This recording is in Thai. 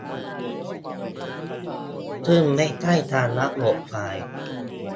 ซึ่งไม่ใช่การอัปโหลดไฟล์